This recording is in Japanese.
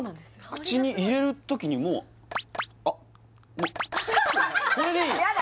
口に入れる時にもうあっもこれでいいヤダ！